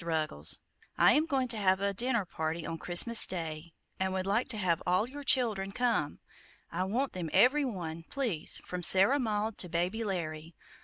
RUGGLES, I am going to have a dinner party on Christmas day, and would like to have all your children come. I want them every one, please, from Sarah Maud to Baby Larry.